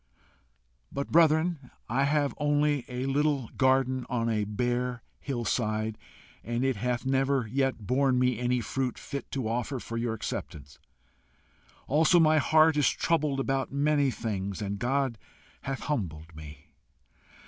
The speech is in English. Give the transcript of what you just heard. "But, brethren, I have only a little garden on a bare hill side, and it hath never yet borne me any fruit fit to offer for your acceptance; also, my heart is troubled about many things, and God hath humbled me.